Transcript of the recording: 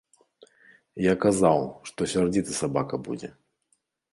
Я казаў, што сярдзіты сабака будзе.